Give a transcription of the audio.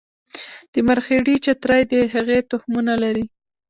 د مرخیړي چترۍ د هغې تخمونه لري